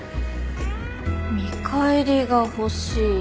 見返りが欲しい。